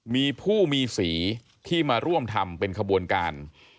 มีผู้มีสีที่มาร่วมทำเป็นขบวนการ